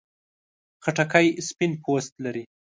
خټکی سپین پوست لري.